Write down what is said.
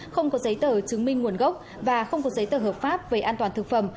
không có giấy tờ chứng minh nguồn gốc và không có giấy tờ hợp pháp về an toàn thực phẩm